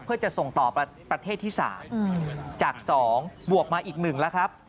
เพื่อจะส่งต่อประเทศที่สามจากสองบวกมาอีกหนึ่งแล้วครับ